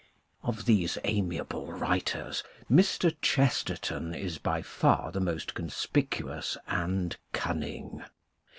Of these amiable writers Mr. Chesterton is by far the most conspicuous and cunning.